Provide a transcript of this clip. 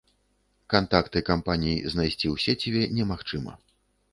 Кантакты кампаній знайсці у сеціве немагчыма.